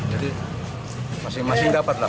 jadi masing masing dapat lah